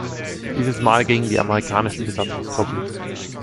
Dieses Mal gegen die amerikanischen Besatzungstruppen.